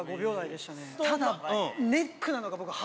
ただネックなのが僕。